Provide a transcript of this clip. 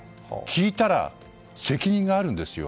聞いたら責任があるんですよ。